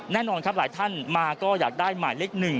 แน่นอนครับหลายท่านมาก็อยากได้หมายเลข๑